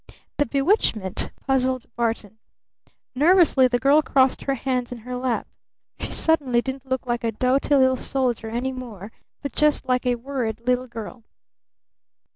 "The bewitchment?" puzzled Barton. Nervously the girl crossed her hands in her lap. She suddenly didn't look like a doughty little soldier any more, but just like a worried little girl.